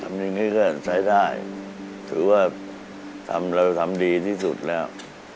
อย่างนี้ก็ใช้ได้ถือว่าทำเราทำดีที่สุดแล้ว